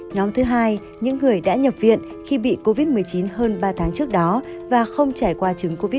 nhóm thứ hai những người đã nhập viện khi bị covid một mươi chín hơn ba tháng trước đó và không trải qua chứng covid một mươi chín